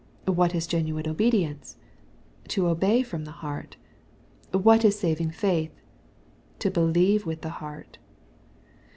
— What is genuine obedience ? To obey from the heart. — What is saving faith ? To believe with the heart.